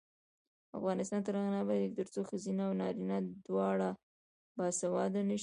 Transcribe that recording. افغانستان تر هغو نه ابادیږي، ترڅو ښځینه او نارینه دواړه باسواده نشي.